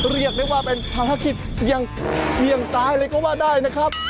เรียกได้ว่าเป็นภารกิจเสี่ยงตายเลยก็ว่าได้นะครับ